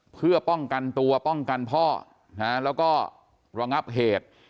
เพื่อป้องกันตัวป้องกันพ่อแล้วก็ระงับเหตุ